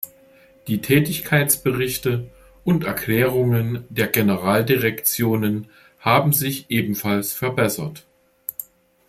Die Tätigkeitsberichte und Erklärungen der Generaldirektionen haben sich ebenfalls verbessert.